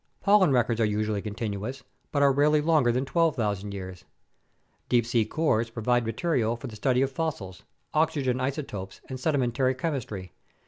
Pollen records are usually continuous but are rarely longer than 12,000 years. Deep sea cores provide material for the study of fossils, oxygen isotopes, and sedimentary chemistry.